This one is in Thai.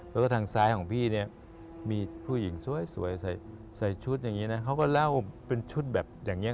แล้วก็ทางซ้ายของพี่เนี่ยมีผู้หญิงสวยใส่ชุดอย่างนี้นะเขาก็เล่าเป็นชุดแบบอย่างนี้